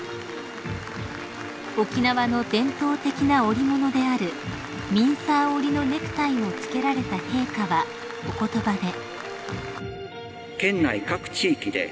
［沖縄の伝統的な織物であるミンサー織のネクタイを着けられた陛下はお言葉で］